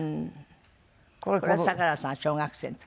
これ佐良さんが小学生の時？